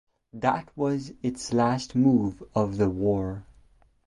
That was its last move of the war.